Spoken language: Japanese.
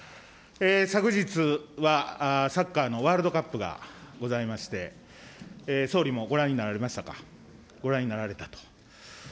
昨日はサッカーのワールドカップがございまして、総理もご覧になられましたか、ご覧になられたと。